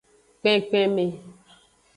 Kpenkpenme.